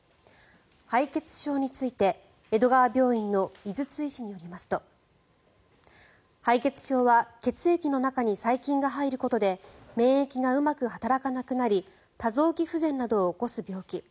敗血症について江戸川病院の井筒医師によりますと敗血症は血液の中に細菌が入ることで免疫がうまく働かなくなり多臓器不全などを起こす病気。